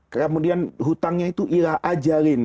kemudian hutangnya itu ilah ajalin